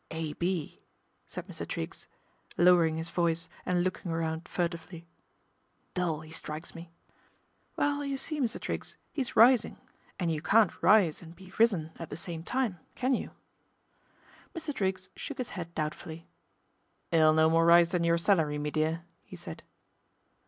"A. B. " said Mr. Triggs, lowering his voice and ooking round furtively, " Dull, 'e strikes me." 143 144 PATRICIA BRENT, SPINSTER " Well, you see, Mr. Triggs, he's rising, and you i can't rise and be risen at the same time, can you ? Mr. Triggs shook his head doubtfully. " 'E'll nc more rise than your salary, me dear," he said.